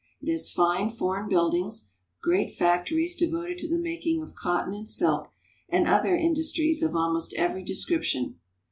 It has fine foreign buildings, great factories devoted to the making of cotton and silk, and other indus tries of almost every description.